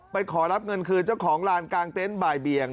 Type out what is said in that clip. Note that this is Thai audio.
ขอรับเงินคืนเจ้าของลานกลางเต็นต์บ่ายเบียง